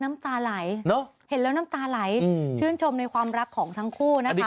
น้ำตาไหลน้ำตาไหลชื่นชมในความรักของคู่ปุะ